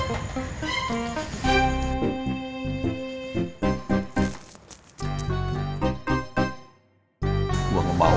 gue gak mau